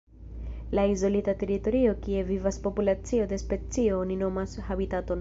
La izolita teritorio kie vivas populacio de specio oni nomas habitaton.